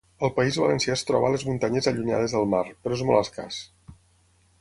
Al País Valencià es troba a les muntanyes allunyades del mar, però és molt escàs.